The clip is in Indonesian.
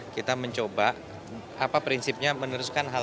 kita mencoba apa prinsipnya meneruskan hal hal